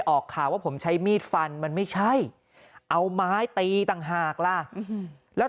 ออกข่าวว่าผมใช้มีดฟันมันไม่ใช่เอาไม้ตีต่างหากล่ะแล้ว